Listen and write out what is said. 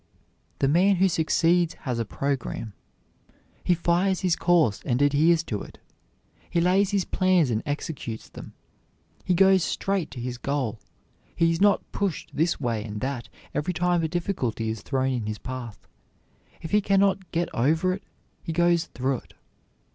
The man who succeeds has a program. He fires his course and adheres to it. He lays his plans and executes them. He goes straight to his goal. He is not pushed this way and that every time a difficulty is thrown in his path; if he can not get over it he goes through it.